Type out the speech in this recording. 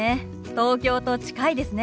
東京と近いですね。